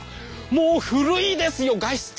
もう古いですよ画質。